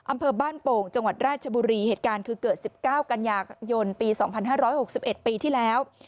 อำเภอบ้านโป่งจังหวัดราชบุรีเหตุการณ์คือเกิดสิบเก้ากัญญายนปีสองพันห้าร้อยหกสิบเอ็ดปีที่แล้ว